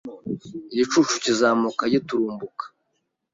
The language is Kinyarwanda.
Igicucu kizamuka giturumbuka